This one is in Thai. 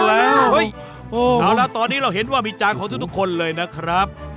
เห้ยเอาล่ะตอนนี้แล้วเห็นว่ามิจารมของทุกคู่เลยนะครับ